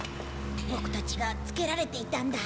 ボクたちがつけられていたんだ。